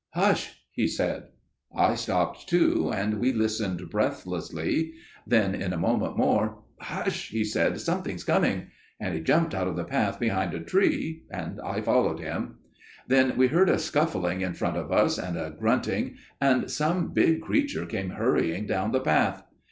"'Hush!' he said. "I stopped too, and we listened breathlessly. Then in a moment more,–––– "'Hush!' he said, 'something's coming,' and he jumped out of the path behind a tree, and I followed him. "Then we heard a scuffling in front of us and a grunting, and some big creature came hurrying down the path.